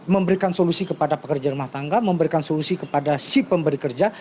memberikan solusi kepada pekerja rumah tangga memberikan solusi kepada si pemberi kerja